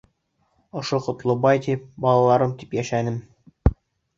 Ошо Ҡотлобай тип, балаларым тип йәшәнем.